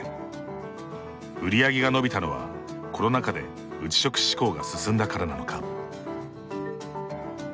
売り上げが伸びたのはコロナ禍で内食志向が進んだからなのか？